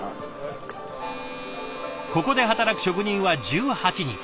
ここで働く職人は１８人。